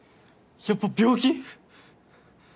やっぱ病気？